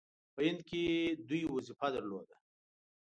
په هند کې دوی وظیفه درلوده.